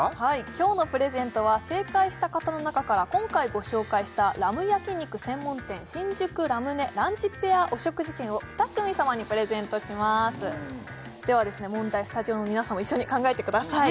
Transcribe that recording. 今日のプレゼントは正解した方の中から今回ご紹介したラム焼肉専門店新宿ｌａｍｂｎｅランチペアお食事券を２組様にプレゼントしますでは問題スタジオの皆さんも一緒に考えてください